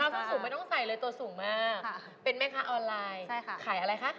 ผู้สูงไม่ต้องใส่เลยตัวสูงมากเป็นแม่ค้าออนไลน์ขายอะไรคะ